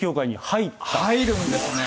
入るんですね。